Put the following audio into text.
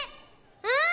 うん！